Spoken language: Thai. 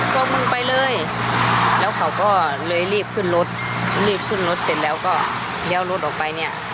พวกมึงไปเลยแล้วเขาก็เลยรีบขึ้นรถรีบขึ้นรถเสร็จแล้วก็เลี้ยวรถออกไปเนี่ย